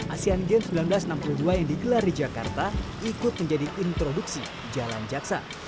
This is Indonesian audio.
asean games seribu sembilan ratus enam puluh dua yang digelar di jakarta ikut menjadi introduksi jalan jaksa